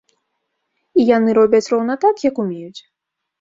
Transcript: І яны робяць роўна так, як умеюць.